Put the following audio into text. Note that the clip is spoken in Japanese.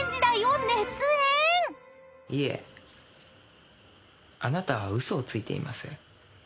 「いえあなたは嘘をついています」